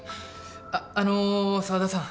あっあの澤田さん